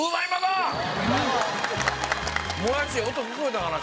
もやし音聞こえたかな？